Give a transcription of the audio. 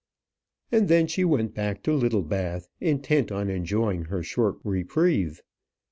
And then she went back to Littlebath, intent on enjoying her short reprieve.